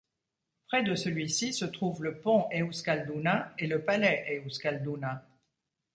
Près de celui-ci se trouve le Pont Euskalduna et le Palais Euskalduna.